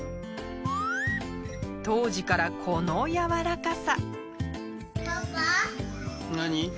当時から、このやわらかさ。